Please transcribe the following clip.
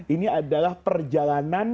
ini adalah perjalanan